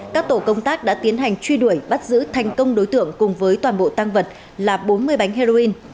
các tổ công tác đã tiến hành truy đuổi bắt giữ thành công đối tượng cùng với toàn bộ tăng vật là bốn mươi bánh heroin